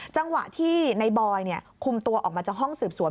จังหวะที่ในบอยคุมตัวออกมาจากห้องสืบสวน